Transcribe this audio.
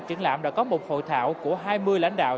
triển lãm đã có một hội thảo của hai mươi lãnh đạo